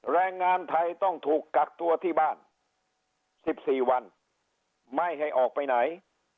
แรงงานไทยต้องถูกกักตัวที่บ้าน๑๔วันไม่ให้ออกไปไหน